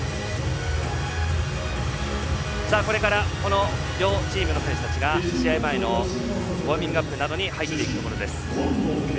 これから両チームの選手たちが試合前のウォーミングアップなどに入っていくところです。